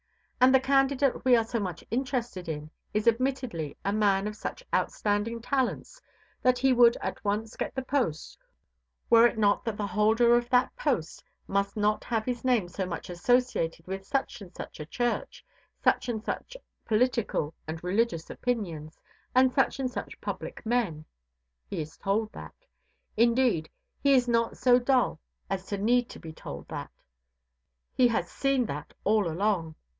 And the candidate we are so much interested in is admittedly a man of such outstanding talents that he would at once get the post were it not that the holder of that post must not have his name so much associated with such and such a church, such and such political and religious opinions, and such and such public men. He is told that. Indeed, he is not so dull as to need to be told that. He has seen that all along.